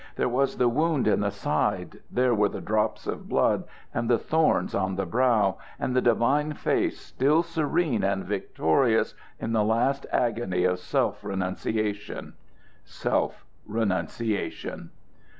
There was the wound in the side, there were the drops of blood and the thorns on the brow, and the divine face still serene and victorious in the last agony of self renunciation. Self renunciation!